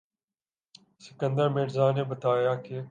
اسکندر مرزا نے بتایا کہ